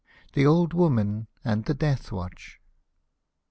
THE OLD WOMAN AND THE DEATH WATCH.